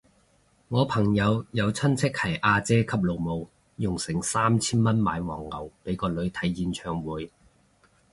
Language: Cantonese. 我朋友有親戚係阿姐級老母，用成三千蚊買黃牛俾個女睇演唱會